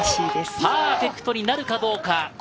パーフェクトになのかどうか。